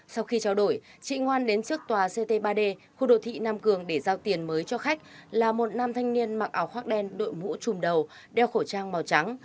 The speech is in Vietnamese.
sau khi trao đổi chị ngoan đến trước tòa ct ba d khu đồ thị nam cường để giao tiền mới cho khách là một nam thanh niên mặc áo khoác đen đội mũ trùm đầu đeo khẩu trang màu trắng